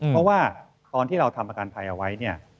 เพราะว่าตอนที่เราทำประกันภัยเอาไว้เนี่ย